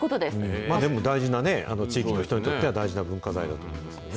でも大事なね、地域の人にとっては大事な文化財だと思いますよね。